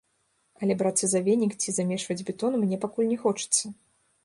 Але брацца за венік ці замешваць бетон мне пакуль не хочацца.